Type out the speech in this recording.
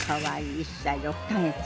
１歳６か月。